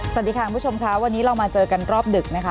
สวัสดีค่ะคุณผู้ชมค่ะวันนี้เรามาเจอกันรอบดึกนะคะ